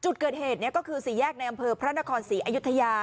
จุดเกิดเหตุก็คือสี่แยกในอำเภอพระนครศรีอยุธยา